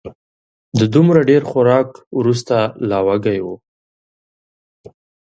د دومره ډېر خوراک وروسته لا وږی و